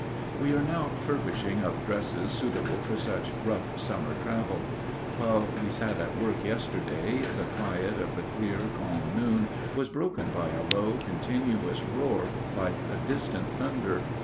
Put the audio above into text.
We are now furbishing up dresses suitable for such rough summer travel. While we sat at work yesterday, the quiet of the clear, calm noon was broken by a low, continuous roar like distant thunder.